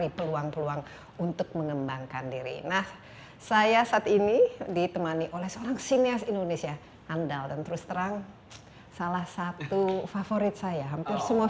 itu karena nama aja gitu